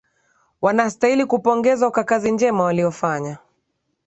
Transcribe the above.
Wanastahili kupongezwa kwa kazi njema waliofaya.